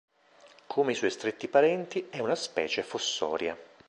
Come i suoi stretti parenti, è una specie fossoria.